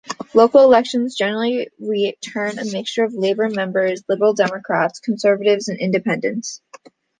Local elections generally return a mixture of Labour members, Liberal Democrats, Conservatives and Independents.